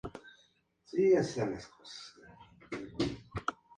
Posteriormente se integra en Los Barrios de Bureba.